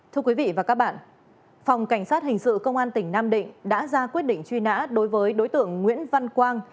thưa quý vị và các bạn phòng cảnh sát hình sự công an tỉnh nam định đã ra quyết định truy nã đối với đối tượng nguyễn văn quang